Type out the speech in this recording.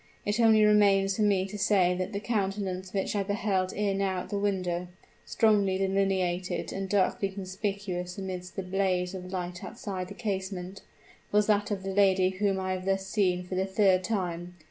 It only remains for me to say that the countenance which I beheld ere now at the window strongly delineated and darkly conspicuous amidst the blaze of light outside the casement was that of the lady whom I have thus seen for the third time!